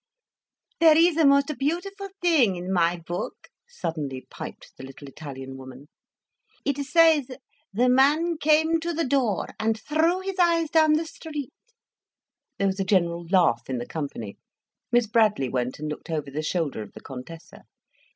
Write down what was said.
"There is a most beautiful thing in my book," suddenly piped the little Italian woman. "It says the man came to the door and threw his eyes down the street." There was a general laugh in the company. Miss Bradley went and looked over the shoulder of the Contessa.